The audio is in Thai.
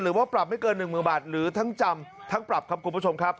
หรือว่าปรับไม่เกิน๑๐๐๐บาทหรือทั้งจำทั้งปรับครับคุณผู้ชมครับ